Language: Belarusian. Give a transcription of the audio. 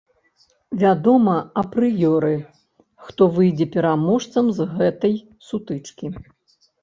Вядома апрыёры, хто выйдзе пераможцам з гэтай сутычкі.